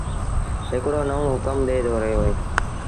هڪڙو نئونٚ هُڪم ڏي رهيو اهآنٚ